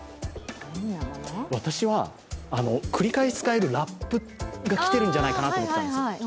私は、繰り返し使えるラップが来てるんじゃないかなって思うんです。